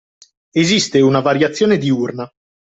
Esiste una variazione diurna